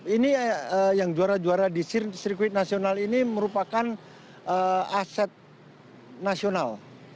ini yang juara juara di sirkuit nasional ini merupakan aset nasional